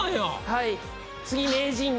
はい。